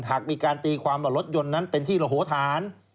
หากมีการตีความว่ารถยนต์นั้นเป็นที่ระโหฐาน